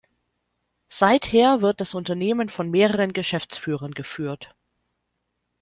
Seither wird das Unternehmen von mehreren Geschäftsführern geführt.